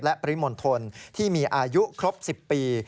และปริมณฑลที่มีอายุครบ๑๐ปี